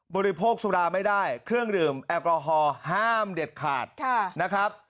บริโภคสุราไม่ได้เครื่องดื่มแอลกอฮอล์ห้ามเด็ดขาดนะครับ